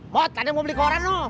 mat ada mobil ke orang